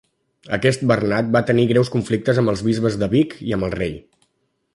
Aquest Bernat va tenir greus conflictes amb els bisbes de Vic i amb el rei.